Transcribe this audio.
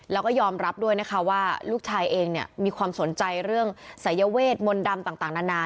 แล้วก็ยอมรับด้วยนะคะว่าลูกชายเองเนี่ยมีความสนใจเรื่องสายเวทมนต์ดำต่างนานา